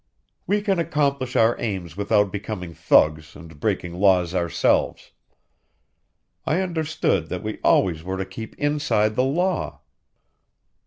We can accomplish our aims without becoming thugs and breaking laws ourselves. I understood that we always were to keep inside the law."